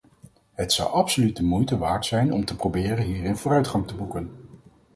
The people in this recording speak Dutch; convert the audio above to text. Het zou absoluut de moeite waard zijn om te proberen hierin vooruitgang te boeken.